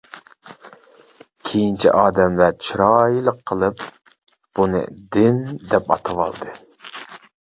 كېيىنچە ئادەملەر چىرايلىق قىلىپ بۇنى «دىن» دەپ ئاتىۋالدى.